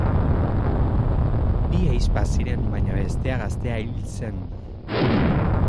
Bi ahizpa ziren baina bestea gaztea hil zen.